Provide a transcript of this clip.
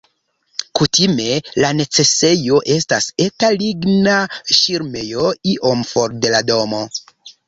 Kutime la necesejo estas eta ligna ŝirmejo iom for de la domo.